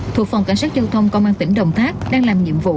thuộc phòng cảnh sát giao thông công an tỉnh đồng tháp đang làm nhiệm vụ